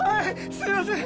すいません